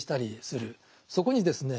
そこにですね